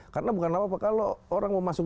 karena bukan apa apa kalau orang mau masuk